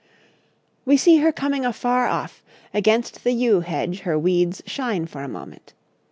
'We see her coming afar off; against the yew hedge her weeds shine for a moment.